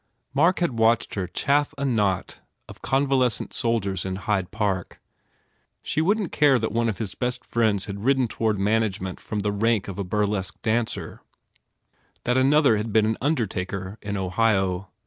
Mark had watched her chaff a knot of con valescent soldiers in Hyde Park. She wouldn t care that one of his best friends had risen toward management from the rank of a burlesque dancer, that another had been an undertaker in Ohio.